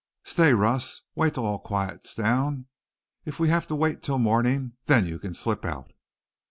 Stay, Russ. Wait till all quiets down, if we have to wait till morning. Then you can slip out."